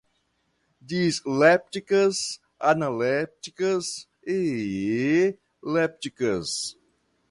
dislépticas, analépticas e lépticas